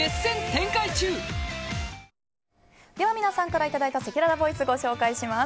皆さんからいただいたせきららボイスご紹介します。